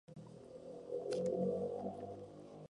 El parque nacional está formado de bosques de pino rojo.